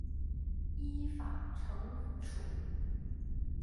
依法惩处